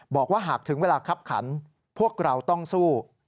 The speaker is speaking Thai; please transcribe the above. บอกว่าหากถึงเวลาคับขันพวกเราต้องสู้